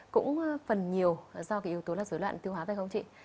cũng phần nhiều do cái yếu tố là dối loạn tiêu hóa phải không chị